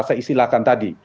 saya istilahkan tadi